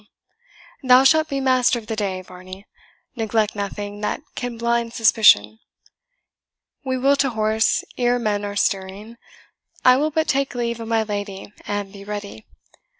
Thou shalt be master for the day, Varney neglect nothing that can blind suspicion. We will to horse ere men are stirring. I will but take leave of my lady, and be ready.